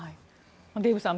デーブさん